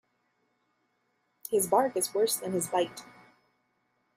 His bark is worse than his bite.